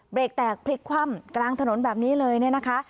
กแตกพลิกคว่ำกลางถนนแบบนี้เลยเนี่ยนะคะ